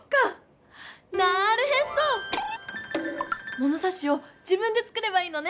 ものさしを自分で作ればいいのね！